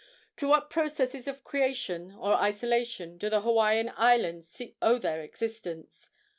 To what processes of creation or isolation do the Hawaiian Islands owe their existence?